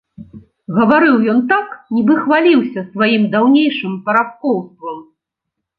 Гаварыў ён так, нібы хваліўся сваім даўнейшым парабкоўствам.